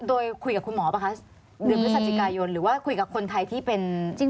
โดยคุยกับคุณหมอป่ะคะเดือนพฤศจิกายนหรือว่าคุยกับคนไทยที่เป็นจริง